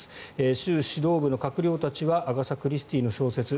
習指導部の閣僚たちはアガサ・クリスティの小説